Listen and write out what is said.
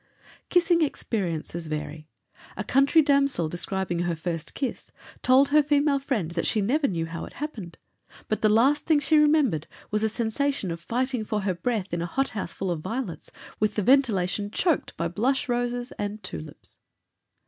Kissing experiences vary. A country damsel, describing her first kiss, told her female friend that she never knew how it happened, but the last thing she remembered was a sensation of fighting for her breath in a hot house full of violets, with the ventilation choked by blush roses and tu lips.